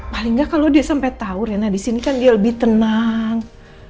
paling nggak kalau dia sampai tau rena di sini kan dia lebih tenang